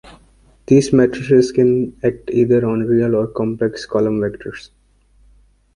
These matrices can act either on real or complex column vectors.